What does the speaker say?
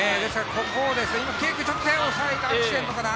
ここを、今、Ｋ君、ちょっと手を押さえてアクシデントかな。